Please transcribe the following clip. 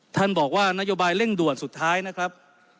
ท่านบอกว่านโยบายเร่งด่วนสุดท้ายนะครับ